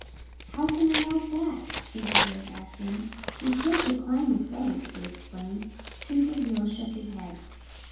"How can I help that?" Twinkleheels asked them. "You could decline with thanks," they explained. Twinkleheels shook his head.